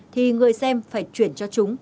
thì người xem phải chuyển cho chúng